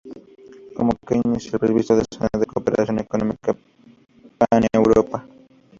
Como Keynes, el previsto una zona de cooperación económica paneuropea.